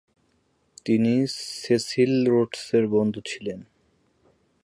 তিনি সেসিল রোডসের বন্ধু ছিলেন।